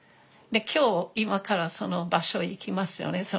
で今日今からその場所行きますよね。